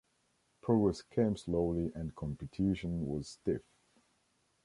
Progress came slowly and competition was stiff.